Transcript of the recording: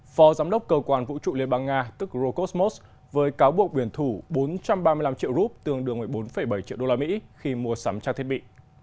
phó giám đốc cơ quan vũ trụ liên bang nga tức rokosmos với cáo buộc biển thủ bốn trăm ba mươi năm triệu rup tương đương một mươi bốn bảy triệu đô la mỹ khi mua sắm trang thiết bị